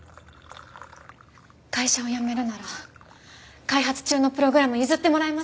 会社を辞めるなら開発中のプログラム譲ってもらえませんか？